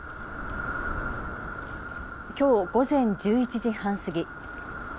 きょう午前１１時半過ぎ。